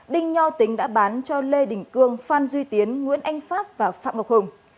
đinh nho tính đã bán cho lê đình cương phan duy tiến nguyễn anh pháp và phạm ngọc hùng